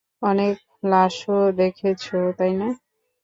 অনেক লাশও দেখেছ, তাই না?